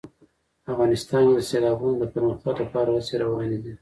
افغانستان کې د سیلابونو د پرمختګ لپاره هڅې روانې دي.